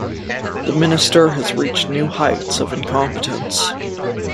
The Minister has reached new heights of incompetence.